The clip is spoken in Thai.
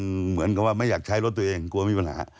เหมือนกับว่าไม่อยากใช้รถตัวเองกลัวมีปัญหา